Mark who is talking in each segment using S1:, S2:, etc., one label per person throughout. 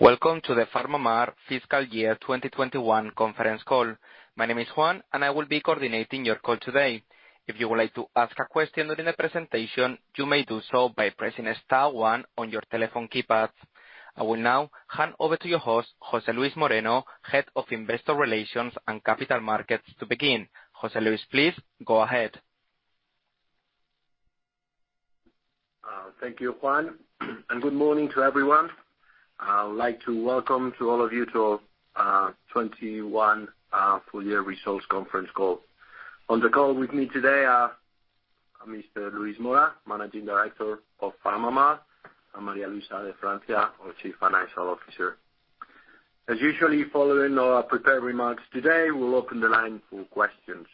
S1: Welcome to the PharmaMar Fiscal Year 2021 conference call. My name is Juan, and I will be coordinating your call today. If you would like to ask a question during the presentation, you may do so by pressing star one on your telephone keypad. I will now hand over to your host, José Luis Moreno, Head of Investor Relations and Capital Markets to begin. José Luis, please go ahead.
S2: Thank you, Juan, and good morning to everyone. I would like to welcome all of you to 2021 full year results conference call. On the call with me today are Mr. Luis Mora, Managing Director of PharmaMar, and María Luisa de Francia, our Chief Financial Officer. As usual, following our prepared remarks today, we'll open the line for questions.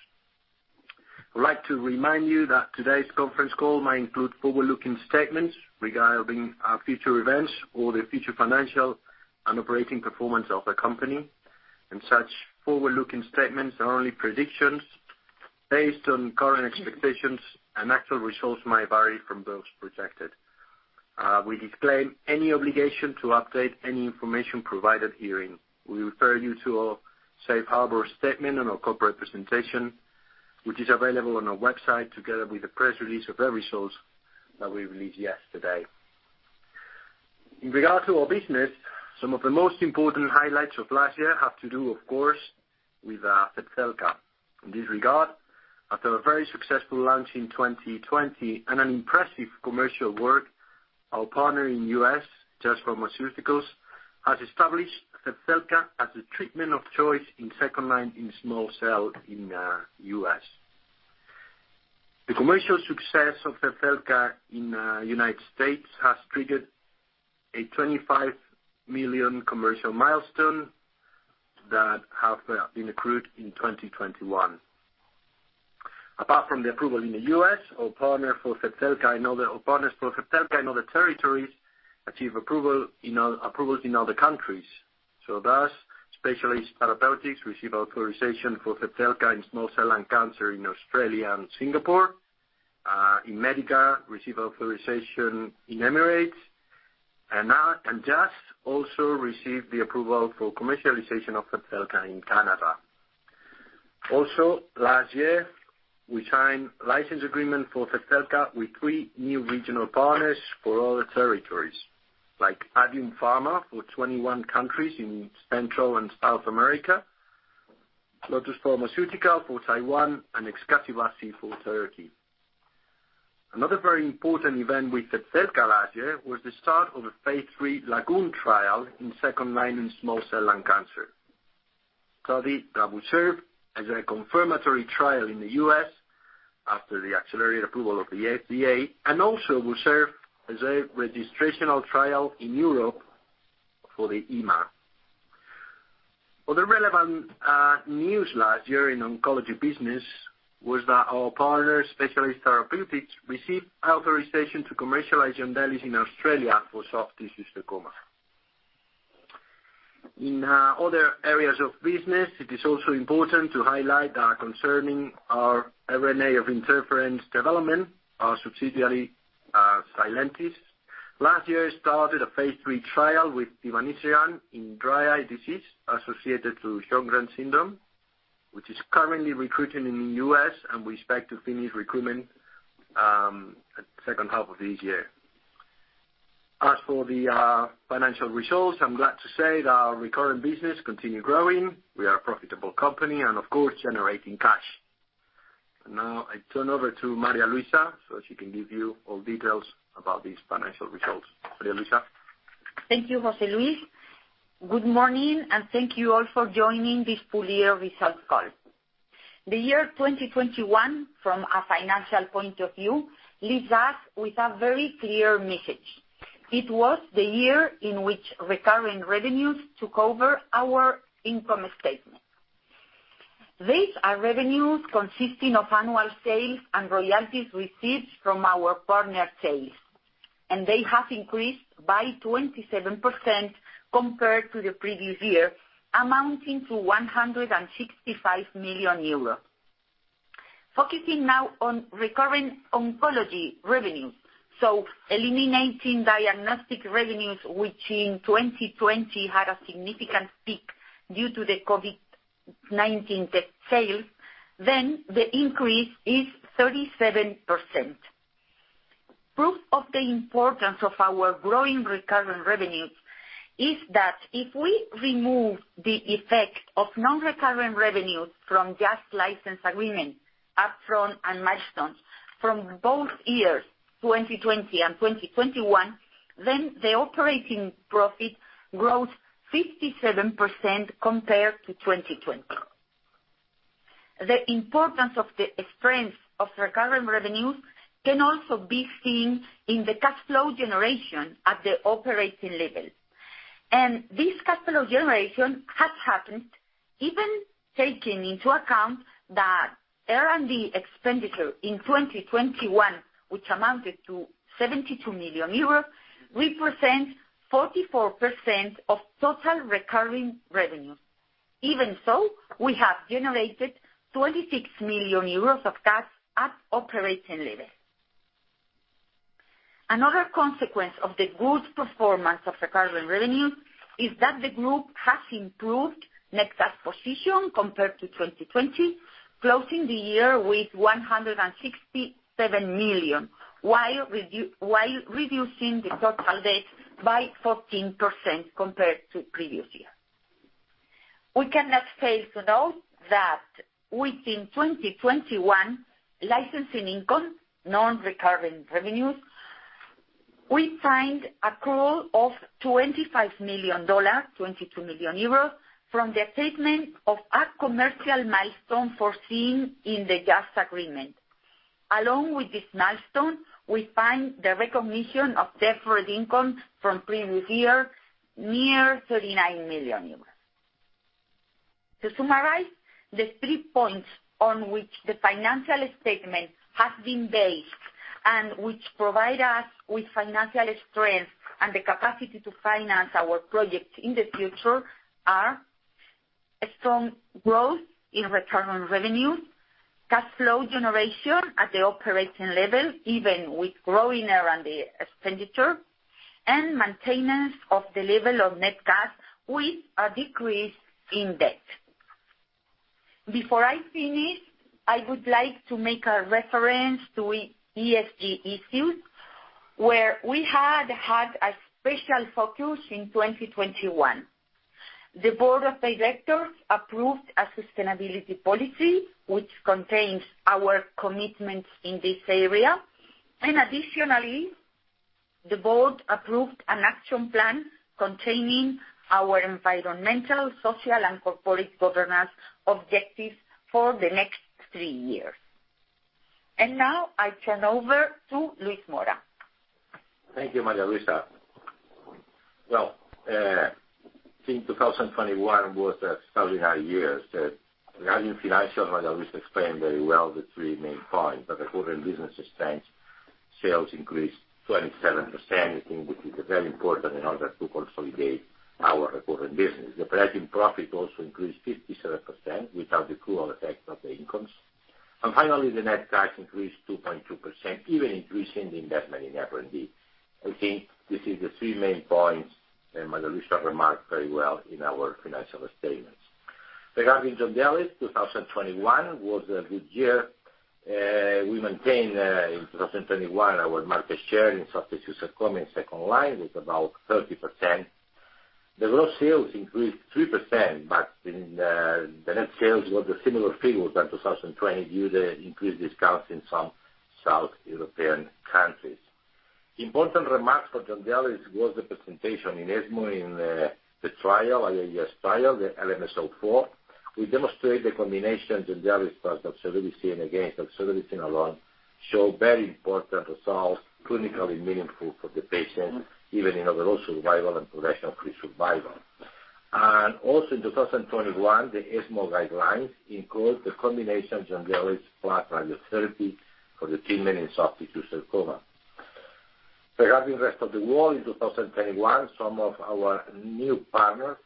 S2: I'd like to remind you that today's conference call might include forward-looking statements regarding future events or the future financial and operating performance of the company, and such forward-looking statements are only predictions based on current expectations, and actual results might vary from those projected. We disclaim any obligation to update any information provided herein. We refer you to our safe harbor statement on our corporate presentation, which is available on our website together with the press release of our results that we released yesterday. In regard to our business, some of the most important highlights of last year have to do, of course, with Zepzelca. In this regard, after a very successful launch in 2020 and an impressive commercial work, our partner in U.S., Jazz Pharmaceuticals, has established Zepzelca as a treatment of choice in second line in small cell in U.S. The commercial success of Zepzelca in United States has triggered a $25 million commercial milestone that have been accrued in 2021. Apart from the approval in the U.S., our partners for Zepzelca in other territories achieve approvals in other countries. Specialised Therapeutics receive authorization for Zepzelca in small cell lung cancer in Australia and Singapore. Immedica receive authorization in Emirates. Jazz also received the approval for commercialization of Zepzelca in Canada. Last year, we signed license agreement for Zepzelca with three new regional partners for other territories, like Adium Pharma for 21 countries in Central and South America, Lotus Pharmaceutical for Taiwan, and Eczacıbaşı for Turkey. Another very important event with Zepzelca last year was the start of a phase III LAGOON trial in second line in small cell lung cancer, a study that will serve as a confirmatory trial in the U.S. after the accelerated approval of the FDA, and also will serve as a registrational trial in Europe for the EMA. Other relevant news last year in oncology business was that our partner, Specialised Therapeutics, received authorization to commercialize Yondelis in Australia for soft tissue sarcoma. In other areas of business, it is also important to highlight that concerning our RNA interference development, our subsidiary Sylentis last year started a phase III trial with tivanisiran in dry eye disease associated to Sjögren's syndrome, which is currently recruiting in the U.S., and we expect to finish recruitment at second half of this year. As for the financial results, I'm glad to say that our recurring business continue growing. We are a profitable company and of course generating cash. Now I turn over to María Luisa, so she can give you all details about these financial results. María Luisa?
S3: Thank you, José Luis. Good morning, and thank you all for joining this full-year results call. The year 2021, from a financial point of view, leaves us with a very clear message. It was the year in which recurring revenues took over our income statement. These are revenues consisting of annual sales and royalties received from our partner sales, and they have increased by 27% compared to the previous year, amounting to 165 million euros. Focusing now on recurring oncology revenue, so eliminating diagnostic revenues, which in 2020 had a significant peak due to the COVID-19 test sales, then the increase is 37%. Proof of the importance of our growing recurring revenues is that if we remove the effect of non-recurring revenues from Jazz license agreement, upfront and milestones from both years, 2020 and 2021, then the operating profit grows 57% compared to 2020. The importance of the strength of recurring revenues can also be seen in the cash flow generation at the operating level. This cash flow generation has happened even taking into account that R&D expenditure in 2021, which amounted to 72 million euros, represents 44% of total recurring revenues. Even so, we have generated 26 million euros of cash at operating level. Another consequence of the good performance of recurring revenue is that the group has improved net cash position compared to 2020, closing the year with 167 million, while reducing the total debt by 14% compared to previous year. We cannot fail to note that within 2021 licensing income, non-recurring revenues, we find accrual of $25 million, 22 million euros from the achievement of a commercial milestone foreseen in the Jazz agreement. Along with this milestone, we find the recognition of deferred income from previous year near 39 million euros. To summarize, the three points on which the financial statement has been based and which provide us with financial strength and the capacity to finance our projects in the future are a strong growth in recurring revenue, cash flow generation at the operating level, even with growing R&D expenditure, and maintenance of the level of net cash with a decrease in debt. Before I finish, I would like to make a reference to ESG issues, where we had had a special focus in 2021. The board of directors approved a sustainability policy, which contains our commitments in this area. Additionally, the board approved an action plan containing our environmental, social, and corporate governance objectives for the next three years. Now I turn over to Luis Mora.
S4: Thank you, María Luisa. Well, I think 2021 was an extraordinary year. Regarding financial, María Luisa explained very well the three main points. The recurring business strength, sales increased 27%, I think, which is very important in order to consolidate our recurring business. The operating profit also increased 57% without the accrual effect of the incomes. Finally, the net cash increased 2.2%, even increasing the investment in R&D. I think this is the three main points, María Luisa remarked very well in our financial statements. Regarding Yondelis, 2021 was a good year. We maintained in 2021 our market share in soft tissue sarcoma in second-line with about 30%. The gross sales increased 3%, but in the net sales was a similar figure to 2020 due to increased discounts in some South European countries. Important remarks for Yondelis was the presentation in ESMO in the trial, IES trial, the LMS-04. We demonstrate the combination Yondelis plus docetaxel against docetaxel alone show very important results, clinically meaningful for the patients, even in overall survival and progression-free survival. Also in 2021, the ESMO guidelines include the combination Yondelis plus radiotherapy for the treatment in soft tissue sarcoma. Regarding rest of the world, in 2021, some of our new partners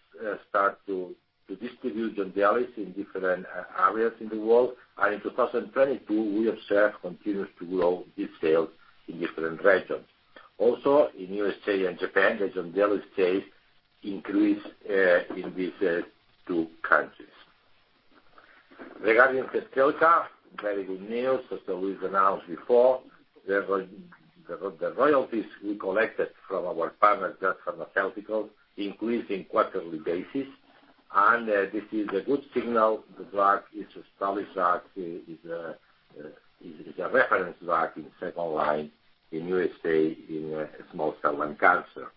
S4: start to distribute Yondelis in different areas in the world. In 2022, we observe continue to grow this sales in different regions. Also, in U.S. and Japan, the Yondelis sales increased in these two countries. Regarding Zepzelca, very good news. As Luis announced before, the royalties we collected from our partner, Jazz Pharmaceuticals, increased on a quarterly basis. This is a good signal. The drug is established drug, is a reference drug in second line in U.S. in small cell lung cancer.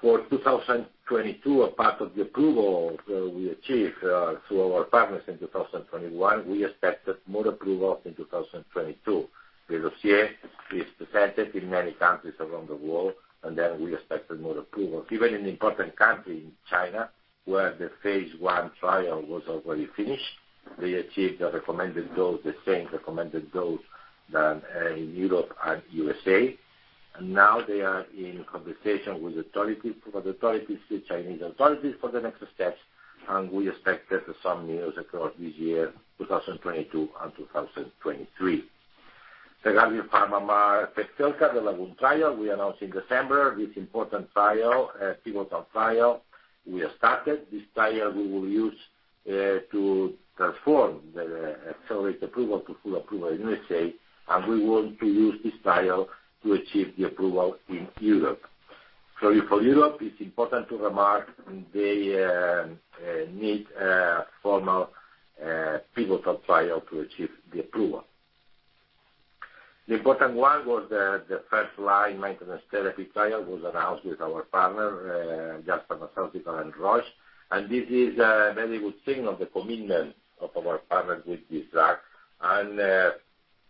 S4: For 2022, apart from the approval we achieved through our partners in 2021, we expected more approvals in 2022. Lurbinectedin is presented in many countries around the world, and then we expected more approvals. Even in important country, in China, where the phase I trial was already finished, we achieved the recommended dose, the same recommended dose as in Europe and U.S. Now they are in conversation with authorities, the Chinese authorities, for the next steps, and we expected some news across this year, 2022 and 2023. Regarding PharmaMar's Zepzelca, the LAGOON trial, we announced in December this important trial, pivotal trial. We have started this trial we will use to transform the accelerated approval to full approval in U.S., and we want to use this trial to achieve the approval in Europe. For Europe, it's important to remark they need a formal, pivotal trial to achieve the approval. The important one was the first-line maintenance therapy trial was announced with our partner, Jazz Pharmaceuticals and Roche. This is a very good signal of the commitment of our partners with this drug.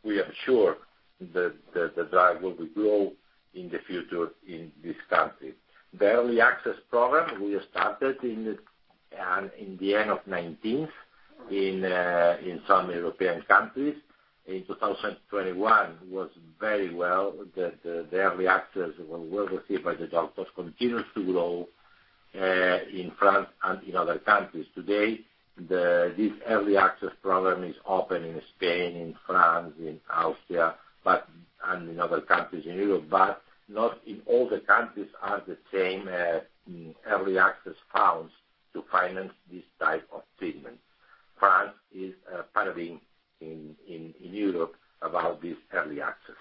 S4: We are sure the drug will grow in the future in this country. The early access program we started in the end of 2019 in some European countries. In 2021 was very well. The early access was well received by the doctors, continues to grow in France and in other countries. Today, this early access program is open in Spain, in France, in Austria, but in other countries in Europe. Not all the countries have the same early access funds to finance this type of treatment. France is pioneering in Europe about this early access.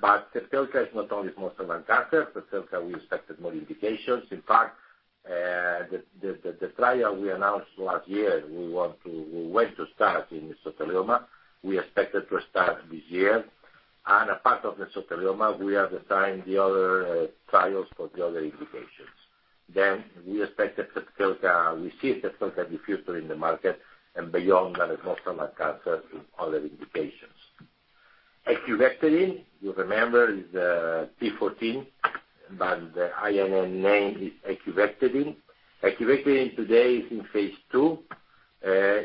S4: Zepzelca is not only small cell lung cancer, for Zepzelca we expected more indications. In fact, the trial we announced last year, we want to start in mesothelioma. We expected to start this year. As part of mesothelioma, we are designing the other trials for the other indications. We expected Zepzelca. We see Zepzelca the future in the market and beyond the small cell lung cancer in other indications. Ecubectedin, you remember, is PM14, but the INN name is ecubectedin. Ecubectedin today is in phase II,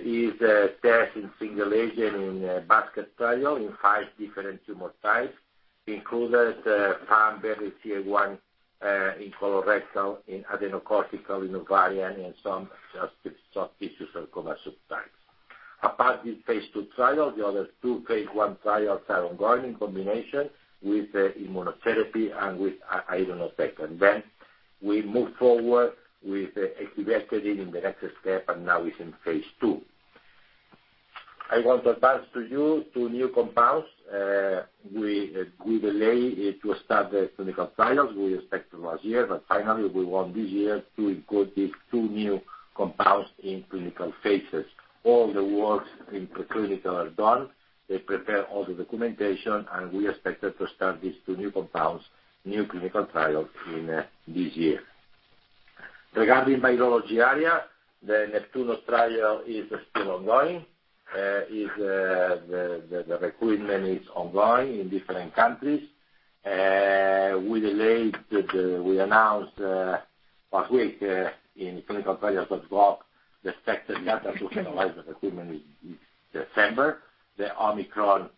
S4: is tested in single agent in a basket trial in five different tumor types. Included BRCA1 in colorectal, in adrenocortical, in ovarian and some just soft tissue sarcoma subtypes. Apart from this phase II trial, the other two phase I trials are ongoing in combination with the immunotherapy and with irinotecan. We move forward with ecubectedin in the next step, and now is in phase II. I want to advance to you two new compounds. We delayed the start of the clinical trials we expected last year, but finally, we want this year to include these two new compounds in clinical phases. All the work in preclinical is done. They prepare all the documentation, and we expected to start these two new compounds, new clinical trials in this year. Regarding virology area, the NEPTUNO trial is still ongoing. The recruitment is ongoing in different countries. We announced last week in clinicaltrials.gov the expected date to analyze the recruitment in December. The Omicron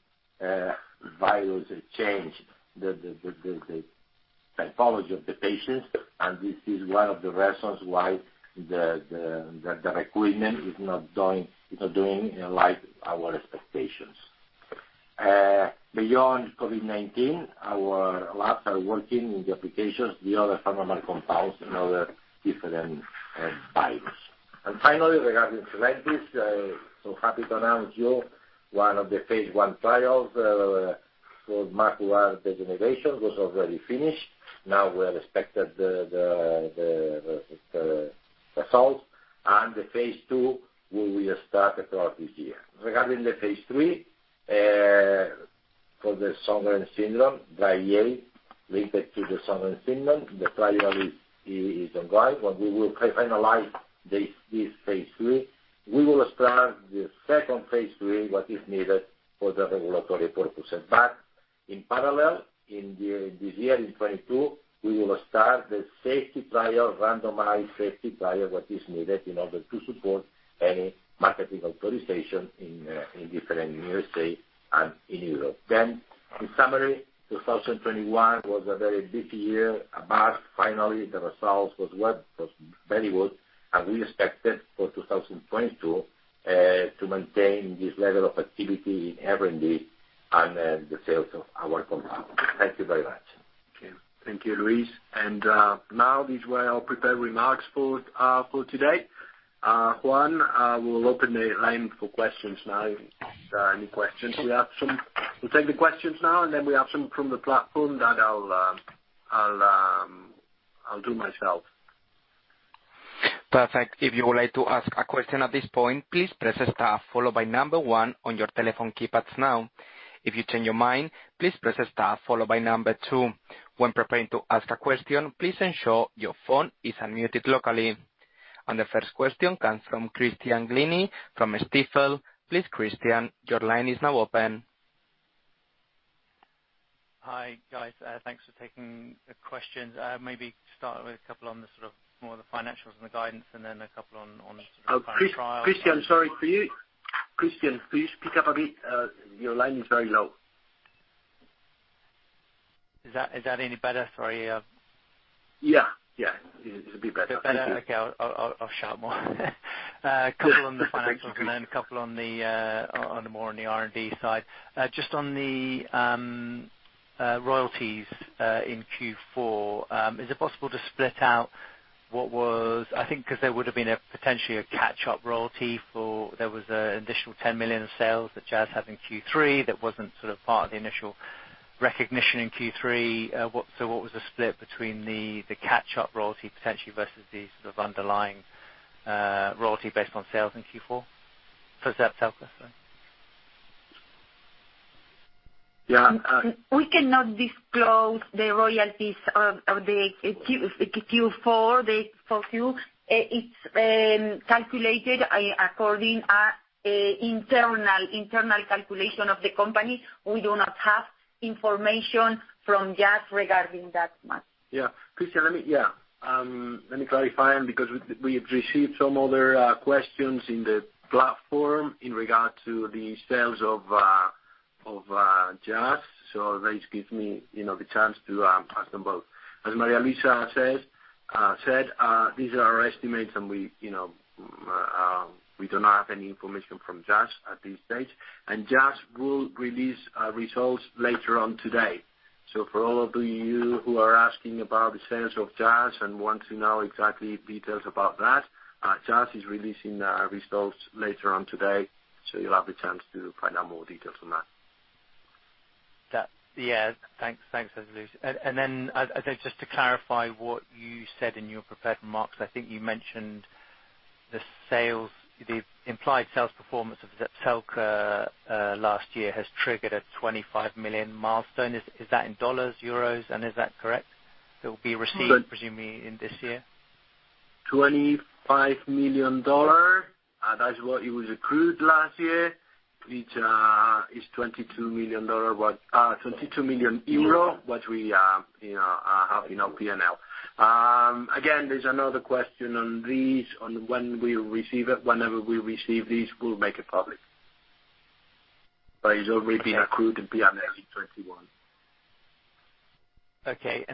S4: virus changed the pathology of the patients, and this is one of the reasons why the recruitment is not doing like our expectations. Beyond COVID-19, our labs are working with the applications, the other pharmaceutical compounds and other different bios. Finally, regarding SYL1801, so happy to announce you one of the phase I trials for macular degeneration was already finished. Now, we're expecting the result, and the phase II will start across this year. Regarding the phase III for the Sjögren's syndrome, dry eye linked to the Sjögren's syndrome, the trial is ongoing. When we will finalize this phase III, we will start the second phase III, what is needed for the regulatory purpose. In parallel, in this year, in 2022, we will start the safety trial, randomized safety trial, what is needed in order to support any marketing authorization in the U.S. and in Europe. In summary, 2021 was a very busy year. Finally, the results was very good. We expected for 2022 to maintain this level of activity in R&D and the sales of our compounds. Thank you very much.
S2: Okay. Thank you, Luis. Now these were our prepared remarks for today. Juan, I will open the line for questions now. If there are any questions, we'll take the questions now, and then we have some from the platform that I'll do myself.
S1: Perfect. If you would like to ask a question at this point, please press star followed by number one on your telephone keypads now. If you change your mind, please press star followed by number two. When preparing to ask a question, please ensure your phone is unmuted locally. The first question comes from Christian Glennie from Stifel. Please, Christian, your line is now open.
S5: Hi, guys. Thanks for taking the questions. Maybe start with a couple on the sort of more the financials and the guidance and then a couple on the current trials.
S2: Oh, Christian, sorry, could you speak up a bit? Your line is very low.
S5: Is that any better? Sorry.
S2: Yeah, yeah, it's a bit better. Thank you.
S5: A bit better? Okay. I'll shout more. A couple on the financials.
S2: Yes. Thank you, Christian.
S5: A couple more on the R&D side. Just on the royalties in Q4, is it possible to split out what was. I think 'cause there would have been potentially a catch-up royalty for there was an additional $10 million of sales that Jazz had in Q3 that wasn't sort of part of the initial recognition in Q3. What was the split between the catch-up royalty potentially versus the sort of underlying royalty based on sales in Q4? For Zepzelca, sorry.
S4: Yeah.
S3: We cannot disclose the royalties for Q4, the full year. It's calculated according to internal calculation of the company. We do not have information from Jazz regarding that much.
S4: Yeah. Christian, let me clarify because we've received some other questions in the platform in regard to the sales of Jazz. This gives me, you know, the chance to ask them both. As María Luisa said, these are our estimates and we, you know, we do not have any information from Jazz at this stage. Jazz will release results later on today. For all of you who are asking about the sales of Jazz and want to know exactly details about that, Jazz is releasing their results later on today, so you'll have the chance to find out more details on that.
S5: Yeah. Thanks, Luis. Then, I think just to clarify what you said in your prepared remarks, I think you mentioned the sales, the implied sales performance of Zepzelca last year has triggered a $25 million milestone. Is that in dollars, euros, and is that correct? That will be received presumably in this year.
S4: $25 million, that's what it was accrued last year, which is EUR 22 million. What we, you know, have in our P&L. Again, there's another question on this, on when we'll receive it. Whenever we receive this, we'll make it public. It's already been accrued in P&L in 2021.
S5: Okay.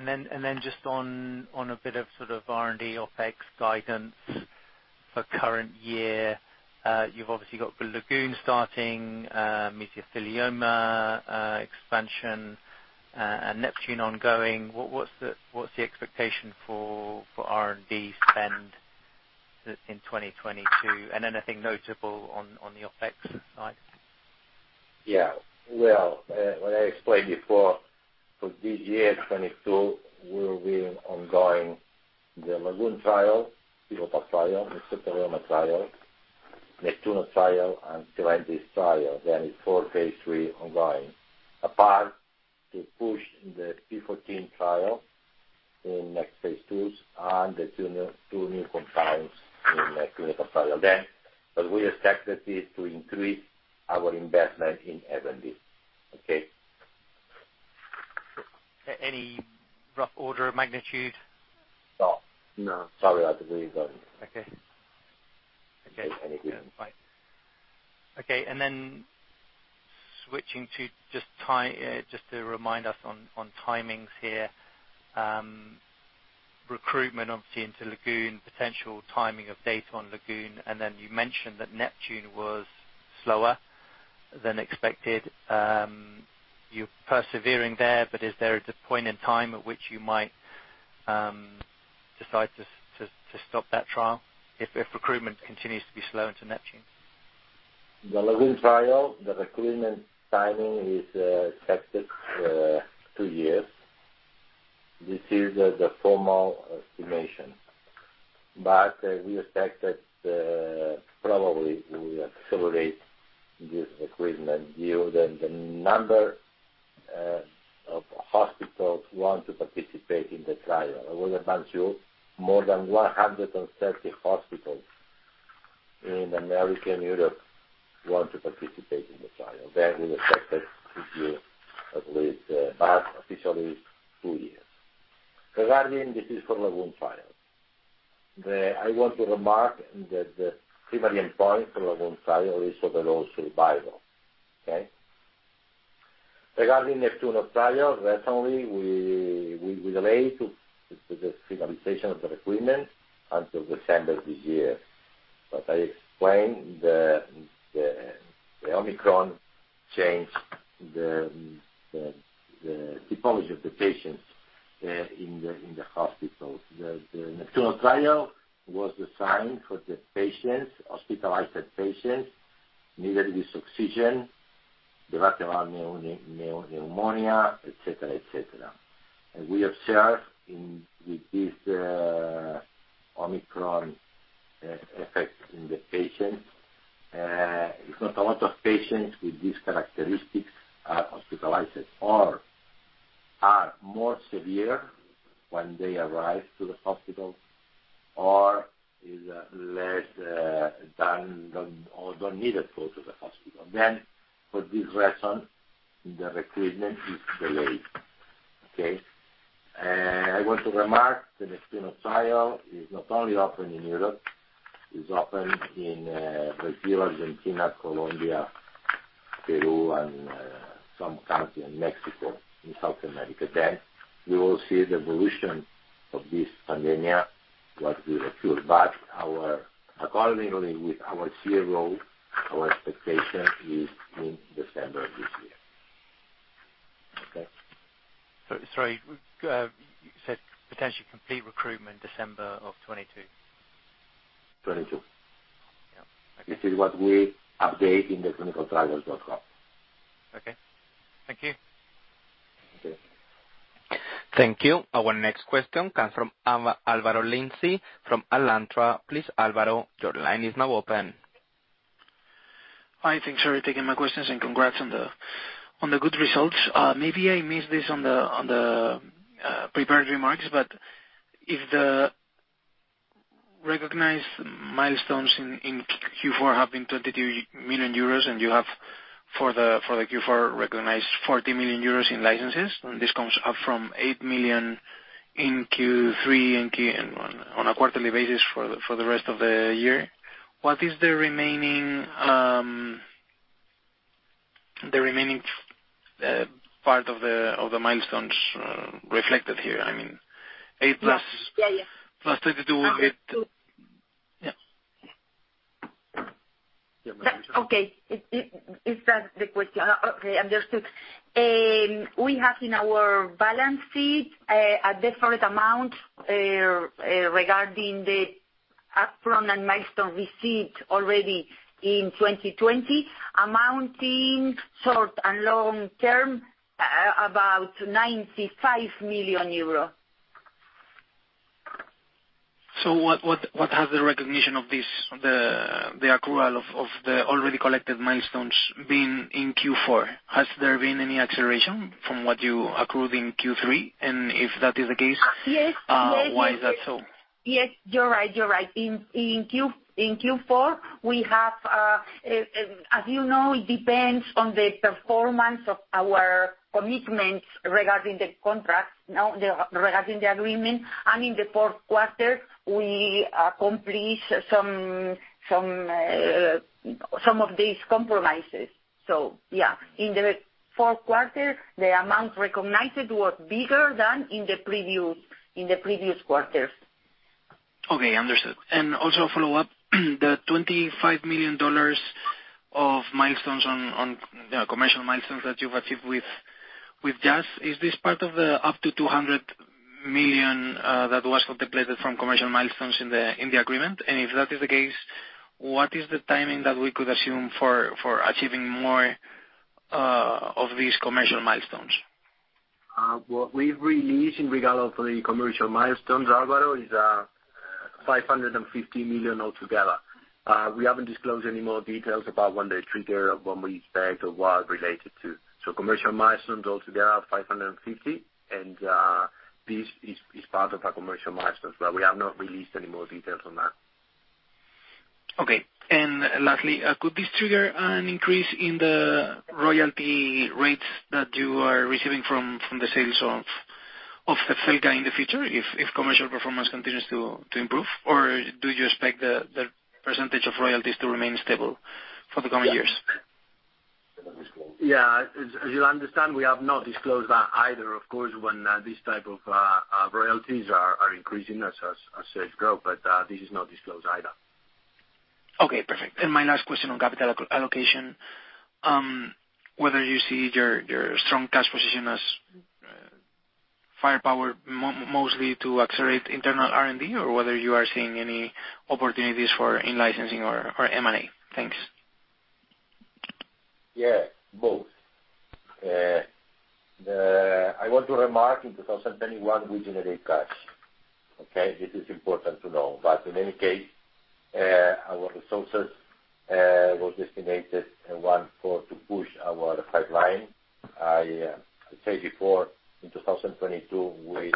S5: Just on a bit of sort of R&D OpEx guidance for current year, you've obviously got the LAGOON starting, mesothelioma expansion, and NEPTUNO ongoing. What's the expectation for R&D spend in 2022? Anything notable on the OpEx side?
S4: Yeah. Well, what I explained before, for this year, 2022, we'll be ongoing the LAGOON trial, VIVOTAP trial, mesothelioma trial, NEPTUNO trial, and Sylentis trial. It's four phase III ongoing. Apart to push the PM14 trial in next phase IIs and the two new compounds in the clinical trial. We expect that it to increase our investment in R&D.
S5: Any rough order of magnitude?
S4: No.
S2: No.
S4: Sorry, I didn't get it.
S5: Okay. Okay.
S4: Any clue?
S5: Switching to just to remind us on timings here, recruitment obviously into LAGOON, potential timing of data on LAGOON, and then you mentioned that NEPTUNO was slower than expected. You're persevering there, but is there a point in time at which you might decide to stop that trial if recruitment continues to be slow into NEPTUNO?
S4: The LAGOON trial, the recruitment timing is expected two years. This is the formal estimation. We expect that probably we accelerate this recruitment due to the number of hospitals who want to participate in the trial. I will announce you more than 130 hospitals in America and Europe want to participate in the trial. We expect that it will at least, but officially two years. Regarding this is for LAGOON trial. I want to remark that the primary endpoint for LAGOON trial is overall survival. Okay? Regarding NEPTUNO trial, recently we relate to the finalization of the recruitment until December this year. I explained the Omicron changed the typology of the patients in the hospitals. The NEPTUNO trial was designed for hospitalized patients needing oxygen who developed pneumonia, etc. We observed with this Omicron effect in the patients. It's not a lot of patients with these characteristics who are hospitalized or are more severe when they arrive to the hospital or less severe or don't need to go to the hospital. For this reason, the recruitment is delayed. I want to remark the NEPTUNO trial is not only open in Europe. It's open in Brazil, Argentina, Colombia, Peru, and some country in Mexico, in South America. We will see the evolution of this pandemic, what will occur. According to our CRO, our expectation is in December of this year.
S5: Sorry. You said potentially complete recruitment December 2022.
S4: '22'.
S5: Yeah. Okay.
S4: This is what we update in clinicaltrials.gov.
S5: Okay. Thank you.
S4: Okay.
S1: Thank you. Our next question comes from Álvaro Lenze from Alantra. Please, Alvaro, your line is now open.
S6: Hi, thanks for taking my questions, and congrats on the good results. Maybe I missed this on the prepared remarks, but if the recognized milestones in Q4 have been 22 million euros and you have in Q4 recognized 40 million euros in licenses, and this comes up from 8 million in Q3 and on a quarterly basis for the rest of the year, what is the remaining part of the milestones reflected here? I mean, 8+
S3: Yes. Yeah, yeah.
S6: +32
S3: 32.
S6: Yeah.
S3: Yeah.
S6: Yeah, María Luisa.
S3: Is that the question? Okay, understood. We have in our balance sheet a different amount regarding the upfront and milestone received already in 2020 amounting short and long term about EUR 95 million.
S6: What has the recognition of this, the accrual of the already collected milestones been in Q4? Has there been any acceleration from what you accrued in Q3? If that is the case-
S3: Yes. Yes.
S6: Why is that so?
S3: Yes, you're right. In Q4, as you know, it depends on the performance of our commitments regarding the contract. No, regarding the agreement. In the fourth quarter we complete some of these compromises. Yeah, in the fourth quarter, the amount recognized was bigger than in the previous quarters.
S6: Okay, understood. Also a follow-up. The $25 million of milestones on, you know, commercial milestones that you've achieved with Jazz, is this part of the up to $200 million that was contemplated from commercial milestones in the agreement? If that is the case, what is the timing that we could assume for achieving more of these commercial milestones?
S4: What we've released in regard of the commercial milestones, Alvaro, is 550 million altogether. We haven't disclosed any more details about when they trigger, when we expect or what related to. Commercial milestones altogether are 550 million, and this is part of our commercial milestones, but we have not released any more details on that.
S6: Okay. Lastly, could this trigger an increase in the royalty rates that you are receiving from the sales of Zepzelca in the future if commercial performance continues to improve? Or do you expect the percentage of royalties to remain stable for the coming years?
S4: Yeah. As you'll understand, we have not disclosed that either, of course, when these type of royalties are increasing as sales grow, but this is not disclosed either.
S6: Okay. Perfect. My last question on capital allocation, whether you see your strong cash position as firepower mostly to accelerate internal R&D or whether you are seeing any opportunities for in-licensing or M&A. Thanks.
S4: Yeah. Both. I want to remark in 2021 we generate cash, okay? This is important to know. In any case, our resources was designated and won for to push our pipeline. I said before in 2022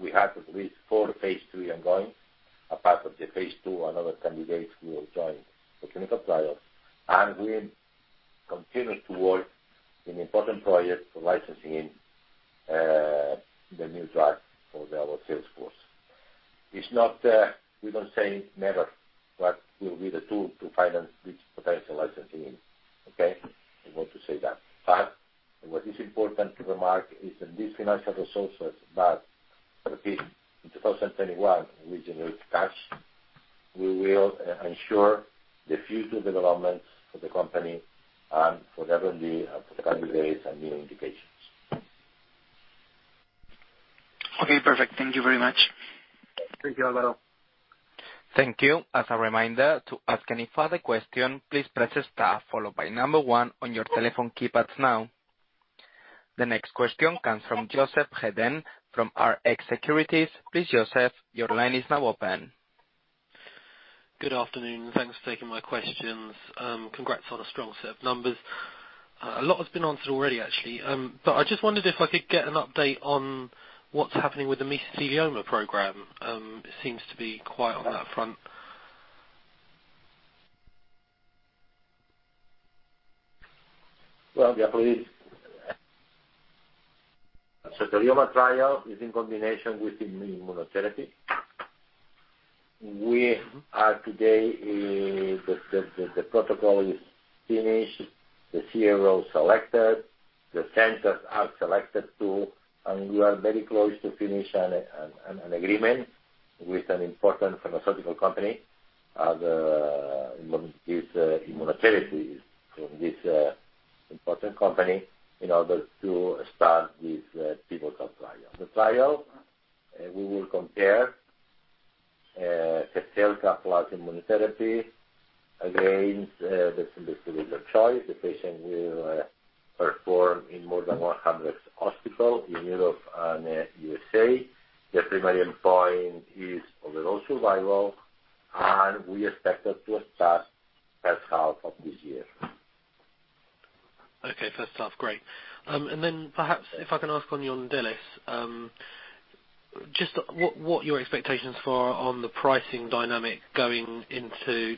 S4: we have at least four phase III ongoing. Apart from the phase II, another candidate will join the clinical trials. We continue to work an important project for licensing the new drug for our sales force. It's not we don't say never, what will be the tool to finance this potential licensing, okay? I want to say that. What is important to remark is that these financial resources that, repeat, in 2021 we generate cash, we will ensure the future developments for the company and for the R&D of the candidates and new indications.
S6: Okay. Perfect. Thank you very much.
S4: Thank you, Álvaro.
S1: Thank you. As a reminder, to ask any further question, please press star followed by number one on your telephone keypads now. The next question comes from Joseph Hedden from Rx Securities. Please, Joseph, your line is now open.
S7: Good afternoon, and thanks for taking my questions. Congrats on a strong set of numbers. A lot has been answered already actually. I just wondered if I could get an update on what's happening with the mesothelioma program. It seems to be quiet on that front.
S4: Well, yeah, please. Mesothelioma trial is in combination with immunotherapy. We are today. The protocol is finished, the CRO selected, the centers are selected too, and we are very close to finish an agreement with an important pharmaceutical company. The immunotherapy from this important company in order to start this pivotal trial. The trial we will compare Zepzelca plus immunotherapy against the standard of care. The trial will be performed in more than 100 hospitals in Europe and USA. The primary endpoint is overall survival, and we expect it to start first half of this year.
S7: Okay. First half. Great. Perhaps if I can ask on Yondelis, just what your expectations for the pricing dynamic going into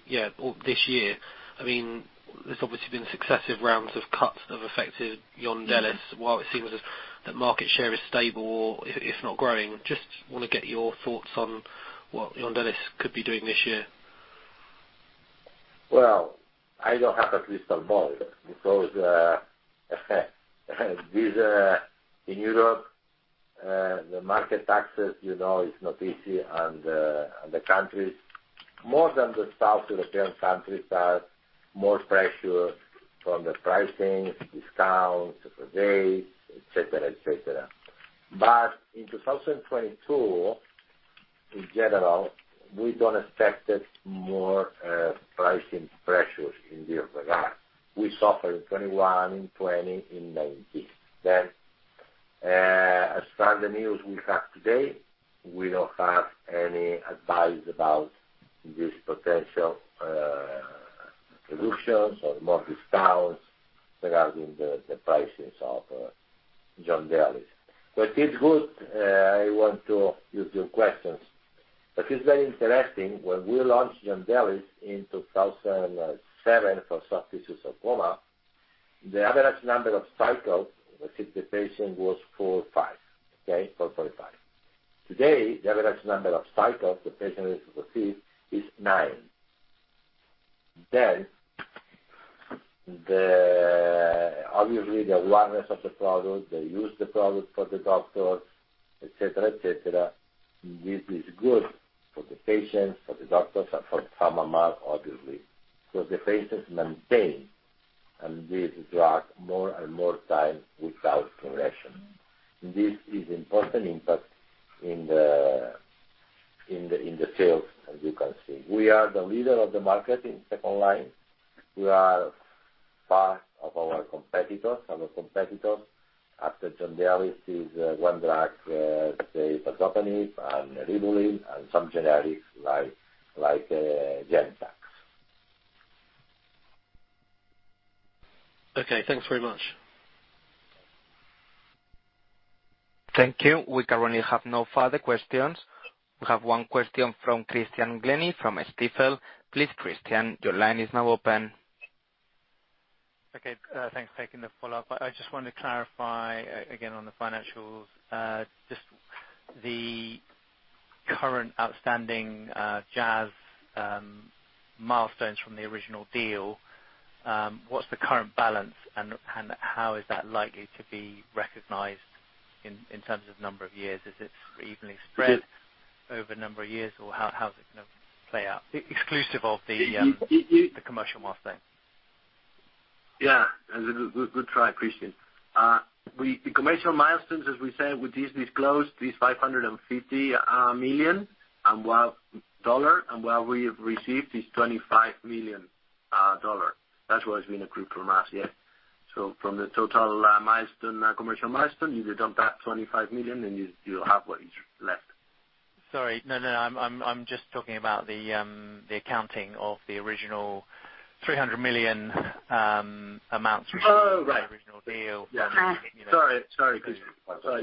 S7: this year. I mean, there's obviously been successive rounds of cuts have affected Yondelis. While it seems as if that market share is stable or, if not, growing, just wanna get your thoughts on what Yondelis could be doing this year.
S4: Well, I don't have a crystal ball because in Europe the market access, you know, is not easy and the countries, more than the South European countries, have more pressure from the pricing, discounts, delays, et cetera. In 2022, in general, we don't expect more pricing pressures in that regard. We suffered in 2021, in 2020, in 2019. As from the news we have today, we don't have any advice about this potential reductions or more discounts regarding the prices of Yondelis. It's good, I want to use your questions. It's very interesting, when we launched Yondelis in 2007 for soft tissue sarcoma, the average number of cycles that hit the patient was four or five, okay? Today, the average number of cycles the patient will receive is nine. Obviously, the awareness of the product, they use the product for the doctors, et cetera. This is good for the patients, for the doctors, and for PharmaMar, obviously. The patients maintain on this drug more and more time without progression. This is important impact in the sales, as you can see. We are the leader of the market in second line. We are far ahead of our competitors. Our competitors after Yondelis is one drug, say pazopanib and Votrient and some generics like GemTax.
S5: Okay, thanks very much.
S1: Thank you. We currently have no further questions. We have one question from Christian Glennie from Stifel. Please, Christian, your line is now open.
S5: Okay, thanks for taking the follow-up. I just wanted to clarify, again, on the financials, just the current outstanding, Jazz, milestones from the original deal, what's the current balance and, how is that likely to be recognized in, terms of number of years? Is it evenly spread over a number of years or how, is it gonna play out exclusive of the commercial milestone?
S4: Yeah. Good try, Christian. We disclosed these $550 million, and what we have received is $25 million. That's what has been accrued from us. Yeah. From the total commercial milestone, you deduct that $25 million, and you have what is left.
S5: Sorry. No, no. I'm just talking about the accounting of the original 300 million amounts.
S4: Oh, right.
S5: From the original deal.
S4: Yeah.
S3: Uh.
S4: Sorry. Sorry, Christian. Sorry.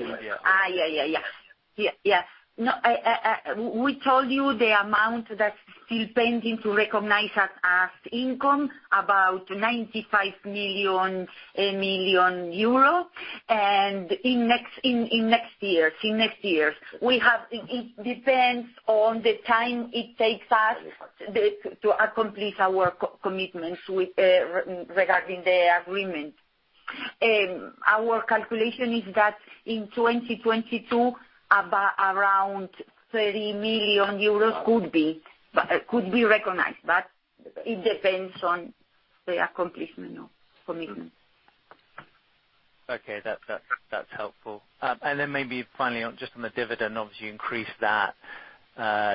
S3: We told you the amount that's still pending to recognize as income, about 95 million. In next year, in next years, it depends on the time it takes us to accomplish our commitments regarding the agreement. Our calculation is that in 2022, around 30 million euros could be recognized, but it depends on the accomplishment of commitment.
S5: Okay. That's helpful. Maybe finally, on the dividend, obviously you increased that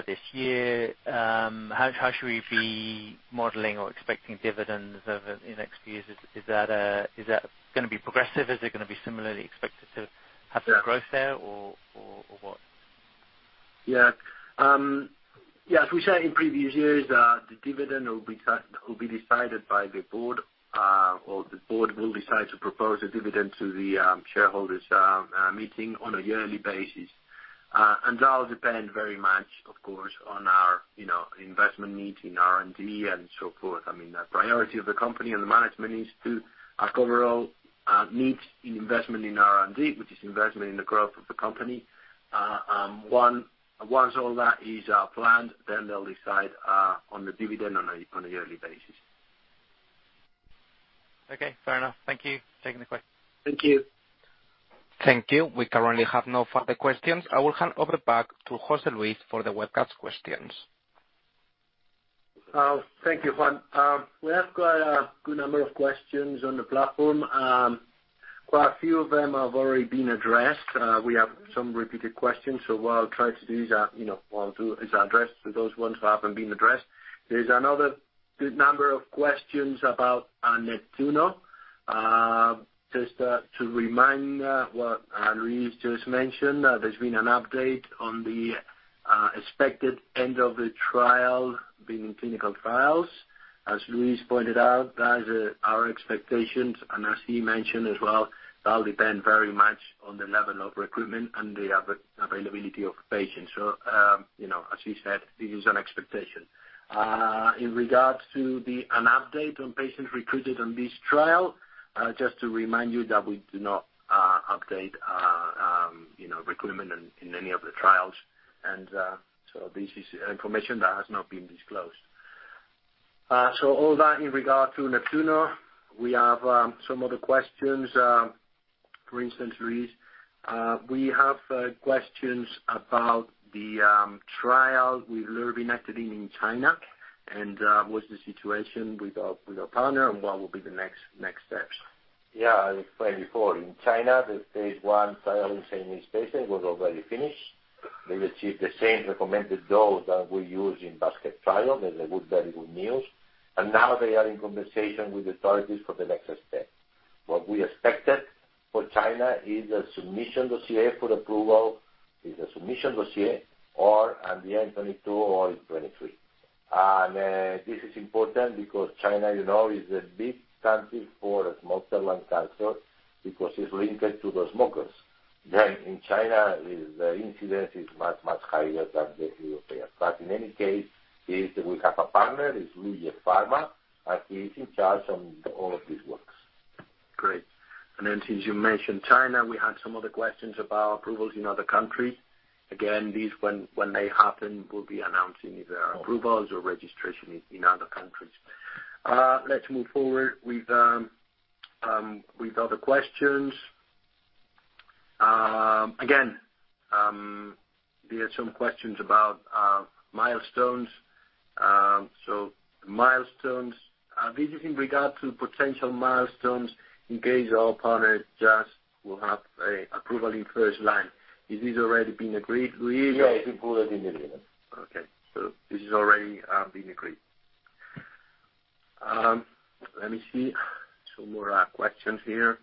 S5: this year. How should we be modeling or expecting dividends over the next few years? Is that gonna be progressive? Is it gonna be similarly expected to-
S4: Yeah.
S5: Have some growth there or what?
S4: Yeah. Yeah, as we said in previous years, the dividend will be decided by the board, or the board will decide to propose a dividend to the shareholders meeting on a yearly basis. That will depend very much, of course, on our, you know, investment needs in R&D and so forth. I mean, the priority of the company and the management is to cover all needs in investment in R&D, which is investment in the growth of the company. Once all that is planned, then they'll decide on the dividend on a yearly basis.
S5: Okay, fair enough. Thank you. Taking the question.
S4: Thank you.
S1: Thank you. We currently have no further questions. I will hand over back to José Luis for the webcast questions.
S2: Thank you, Juan. We have got a good number of questions on the platform. Quite a few of them have already been addressed. We have some repeated questions. What I'll try to do is address those ones who haven't been addressed. There's another good number of questions about our NEPTUNO. Just to remind what Luis just mentioned, there's been an update on the expected end of the trial, ClinicalTrials.gov. As Luis pointed out, that is our expectations. As he mentioned as well, that'll depend very much on the level of recruitment and the availability of patients. You know, as he said, this is an expectation.
S4: In regards to an update on patients recruited on this trial, just to remind you that we do not update.
S2: You know, recruitment in any of the trials. This is information that has not been disclosed. All that in regard to NEPTUNO. We have some other questions. For instance, Luis, we have questions about the trial with lurbinectedin in China, and what's the situation with our partner, and what will be the next steps.
S4: Yeah, I explained before. In China, the phase I trial in Chinese patients was already finished. They received the same recommended dose that we use in basket trial. That is a good, very good news. Now they are in conversation with authorities for the next step. What we expected for China is a submission dossier for approval at the end 2022 or in 2023. This is important because China, you know, is a big country for small cell lung cancer because it's linked to the smokers. In China the incidence is much, much higher than in Europe. In any case, we have a partner, Luye Pharma, and he is in charge on all of these works.
S2: Great. Since you mentioned China, we had some other questions about approvals in other countries. Again, these when they happen, we'll be announcing if there are approvals or registration in other countries. Let's move forward with other questions. Again, we had some questions about milestones. Milestones. This is in regard to potential milestones in case our partner, Jazz, will have a approval in first line. Is this already been agreed, Luis?
S4: Yeah, it's included in the deal.
S2: Okay. This is already been agreed. Let me see. Two more questions here.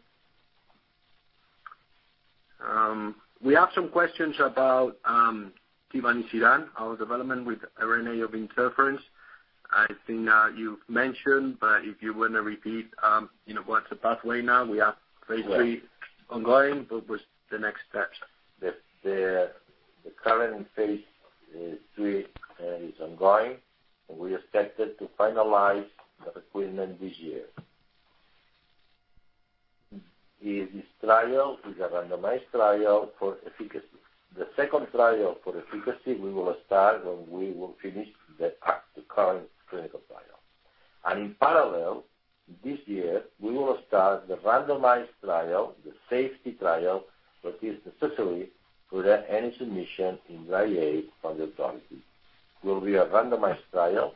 S2: We have some questions about tivanisiran, our development with RNA interference. I think you've mentioned, but if you wanna repeat, you know, what's the pathway now. We have phase III-
S4: Yeah.
S2: Ongoing, but what's the next steps?
S4: The current phase III is ongoing, and we expected to finalize the recruitment this year. This trial is a randomized trial for efficacy. The second trial for efficacy, we will start when we will finish the current clinical trial. In parallel, this year, we will start the randomized trial, the safety trial that is necessary for any submission to the EMA from the authority. It will be a randomized trial.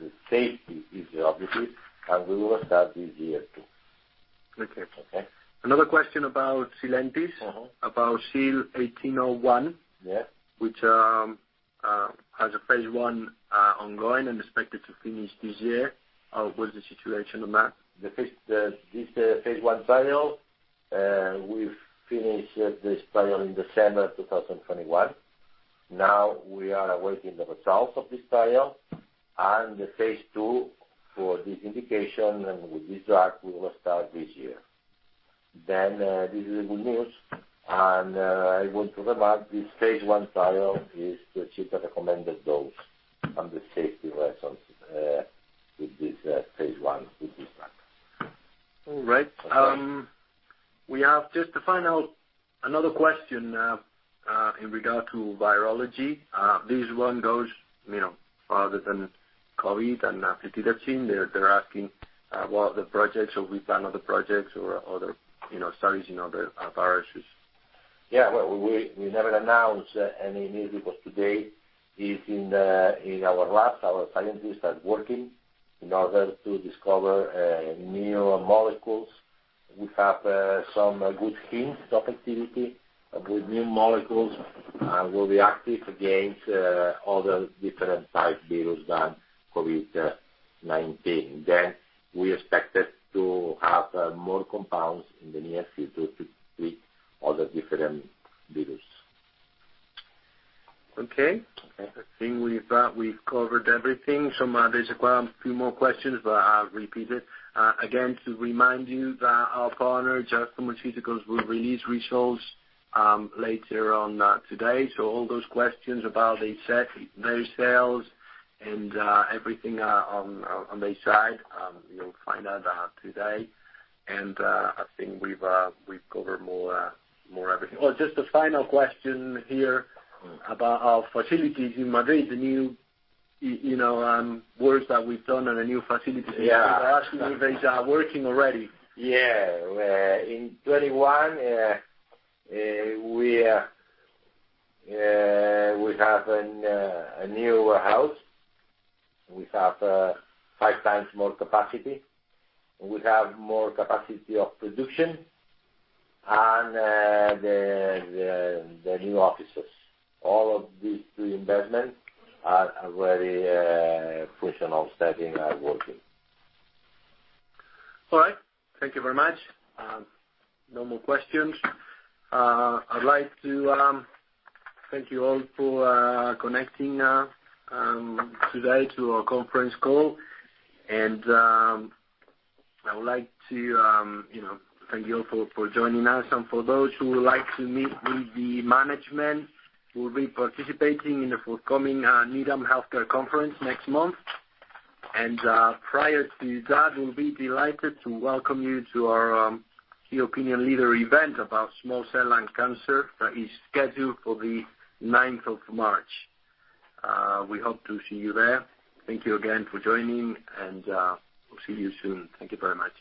S4: The safety is the objective, and we will start this year too.
S2: Okay.
S4: Okay.
S2: Another question about Sylentis.
S4: Mm-hmm.
S2: About SYL1801.
S4: Yeah.
S2: Which has a phase I ongoing and expected to finish this year. What's the situation on that?
S4: This phase I trial, we've finished in December 2021. Now we are awaiting the results of this trial, and the phase II for this indication and with this drug will start this year. This is good news. I want to remind this phase I trial is to achieve a recommended dose and the safety lessons with this phase I with this drug.
S2: All right. We have another question in regard to virology. This one goes, you know, other than COVID and plitidepsin, they're asking what other projects or we plan other projects or other, you know, studies in other viruses.
S4: Yeah. Well, we never announced any news because today, in our labs, our scientists are working in order to discover new molecules. We have some good hints of activity with new molecules, and we'll be active against other different type virus than COVID-19. We expected to have more compounds in the near future to treat other different virus.
S2: Okay.
S4: Okay.
S2: I think we've covered everything. Some other require a few more questions, but I'll repeat it. Again, to remind you that our partner, Jazz Pharmaceuticals, will release results later on today. So all those questions about their set, their sales and everything on their side, you'll find out today. I think we've covered more everything. Oh, just a final question here about our facilities in Madrid, the new works that we've done on a new facility.
S4: Yeah.
S2: They are asking if they are working already.
S4: Yeah. In 2021, we have a new warehouse. We have 5x more capacity. We have more capacity of production and the new offices. All of these three investments are already functional, starting working.
S2: All right. Thank you very much. No more questions. I'd like to thank you all for connecting today to our conference call. I would like to, you know, thank you all for joining us. For those who would like to meet with the management, we'll be participating in the forthcoming Needham Healthcare Conference next month. Prior to that, we'll be delighted to welcome you to our Key Opinion Leader event about small cell lung cancer that is scheduled for the 9th of March. We hope to see you there. Thank you again for joining, and we'll see you soon. Thank you very much.